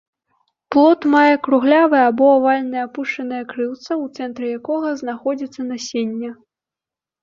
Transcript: Плод мае круглявае або авальнае апушчанае крылца, у цэнтры якога знаходзіцца насенне.